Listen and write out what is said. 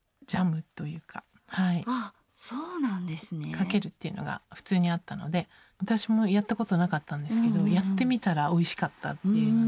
かけるっていうのが普通にあったので私もやったことなかったんですけどやってみたらおいしかったっていうので。